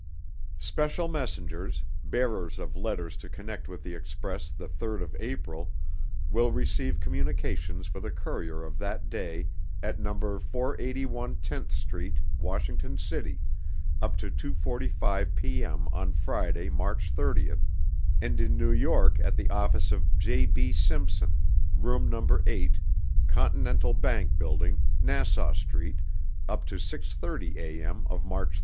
Special messengers, bearers of letters to connect with the express the 3rd of April, will receive communications for the courier of that day at No. 481 Tenth St., Washington City, up to 2:45 P. M. on Friday, March 30, and in New York at the office of J. B. Simpson, Room No. 8, Continental Bank Building, Nassau Street, up to 6:30 A. M. of March 31.